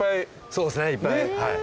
そうっすねいっぱい。